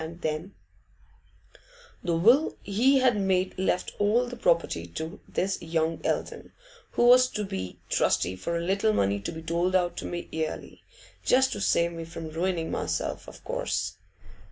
And then 'The will he had made left all the property to this young Eldon, who was to be trustee for a little money to be doled out to me yearly, just to save me from ruining myself, of course.